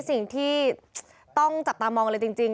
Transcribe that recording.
สิ่งที่ต้องจับตามองเลยจริง